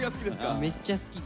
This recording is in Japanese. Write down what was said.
めっちゃ好きで。